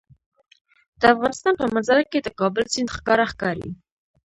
د افغانستان په منظره کې د کابل سیند ښکاره ښکاري.